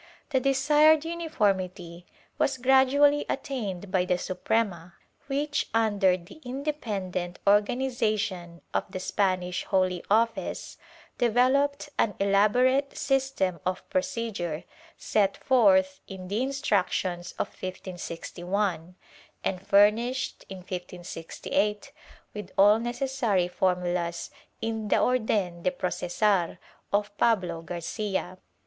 The desired uniformity was gradually attained by the Suprema which, under the independent organization of the Spanish Holy Office, developed an elaborate system of procedure, set forth in the Instructions of 1561 and furnished, in 1568, with all necessary formulas in the Or den de Processor of Pablo Garcia.